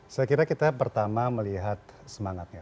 saya kira kita pertama melihat semangatnya